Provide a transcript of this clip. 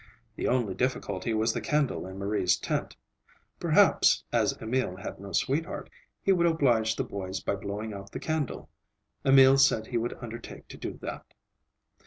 The only difficulty was the candle in Marie's tent; perhaps, as Emil had no sweetheart, he would oblige the boys by blowing out the candle. Emil said he would undertake to do that.